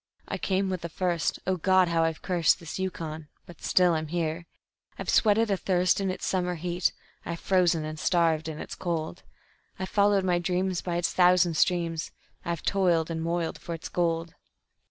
I came with the first O God! how I've cursed this Yukon but still I'm here. I've sweated athirst in its summer heat, I've frozen and starved in its cold; I've followed my dreams by its thousand streams, I've toiled and moiled for its gold.